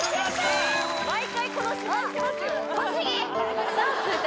毎回この芝居してますよ